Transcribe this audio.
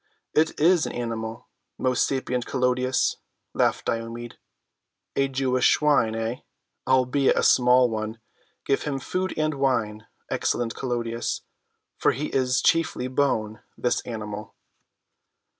"It is an animal, most sapient Clodius," laughed Diomed. "A Jewish swine—eh?—albeit a small one. Give him food and wine, excellent Clodius, for he is chiefly bone—this animal."